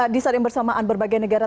di saat yang bersamaan berbagai negara